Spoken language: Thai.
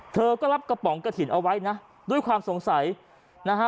เธอก็รับกระป๋องกระถิ่นเอาไว้นะด้วยความสงสัยนะฮะ